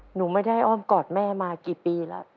หนูไม่ได้อ้อมกอดแม่มากี่ปีแล้ว